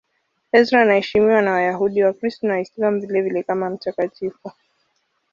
Ezra anaheshimiwa na Wayahudi, Wakristo na Waislamu vilevile kama mtakatifu.